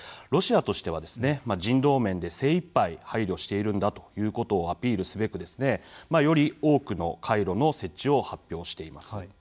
ロシアとしては人道面で精いっぱい配慮しているんだということをアピールすべくより多くの回廊の設置を発表しています。